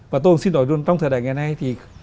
và tôi xin đổi luôn trong thời đại ngày nay thì